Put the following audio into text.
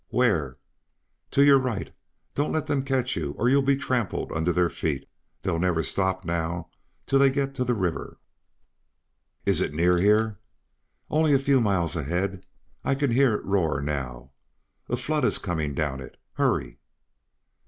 "Where?" "To your right. Don't let them catch you or you'll be trampled under their feet. They'll never stop, now, till they get to the river." "Is it near here?" "Only a few miles ahead. I can hear it roar now. A flood is coming down it. Hurry!"